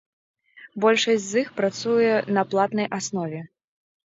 Большасць з іх працуе на платнай аснове.